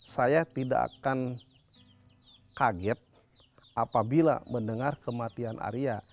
saya tidak akan kaget apabila mendengar kematian arya